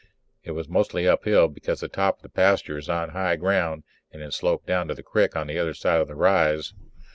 It was mostly uphill because the top of the pasture is on high ground, and it sloped down to the crick on the other side of the rise.